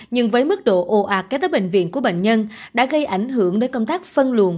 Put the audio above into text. nhưng với mức độ ồ ạt kế tới bệnh viện của bệnh nhân đã gây ảnh hưởng đến công tác phân luồn